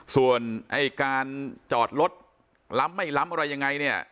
ส่วนไอ้การจอดรถล้ำไม่ล้ำอะไรยังไงเนี่ย